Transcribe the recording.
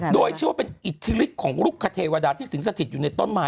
โดยจะเป็นอิทธิฬิกษ์ของลูกขเทวดาที่ถึงสถิตอยู่ในต้นไม้